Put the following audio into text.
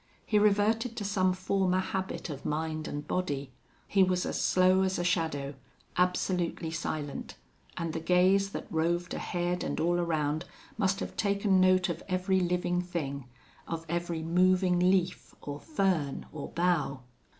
He reverted to some former habit of mind and body. He was as slow as a shadow, absolutely silent, and the gaze that roved ahead and all around must have taken note of every living thing, of every moving leaf or fern or bough.